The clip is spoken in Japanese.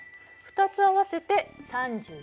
２つ合わせて３１。